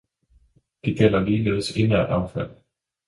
Det gælder ligeledes inert affald.